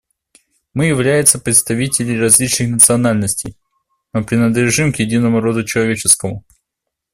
Мы является представители различных национальностей, но принадлежим к единому роду человеческому.